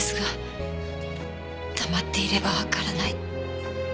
黙っていればわからない。